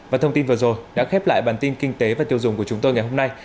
và thông tin vừa rồi đã khép lại bản tin kinh tế và tiêu dùng của chúng tôi ngày hôm nay